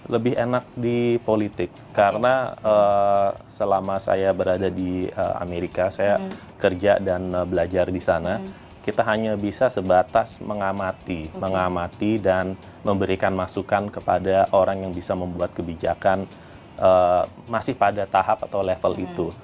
lebih enak di politik karena selama saya berada di amerika saya kerja dan belajar di sana kita hanya bisa sebatas mengamati mengamati dan memberikan masukan kepada orang yang bisa membuat kebijakan masih pada tahap atau level itu